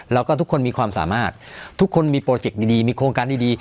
แล้วก็ทุกคนมีความสามารถทุกคนมีโปรเจคดีมีโครงการดี